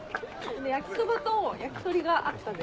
焼きそばと焼き鳥があったぜ。